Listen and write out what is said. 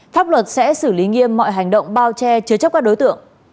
pháp luật sẽ xử lý nghiêm mọi hành động bao che chứa chấp các đối tượng